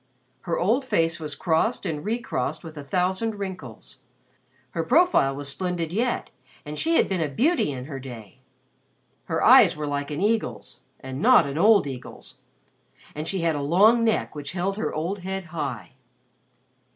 Her old face was crossed and recrossed with a thousand wrinkles. Her profile was splendid yet and she had been a beauty in her day. Her eyes were like an eagle's and not an old eagle's. And she had a long neck which held her old head high.